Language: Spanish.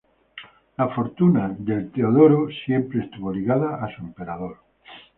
La fortuna de Teodoro siempre estuvo ligada a su emperador.